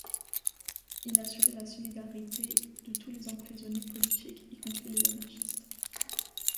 Il assurait la solidarité de tous les emprisonnés politiques, y compris les anarchistes.